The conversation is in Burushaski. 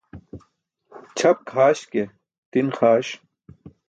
Ćʰap kʰaaś ke, tin xaaś.